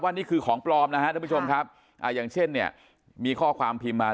นี่คือของปลอมนะฮะท่านผู้ชมครับอ่าอย่างเช่นเนี่ยมีข้อความพิมพ์มา